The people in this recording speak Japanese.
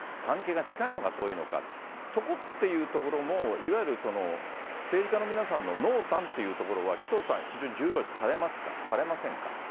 関係が近いのか遠いのか、そこっていうところも、いわゆる政治家の皆さんの濃淡っていうところは、紀藤さん、非常に重要視されますか、されませんか。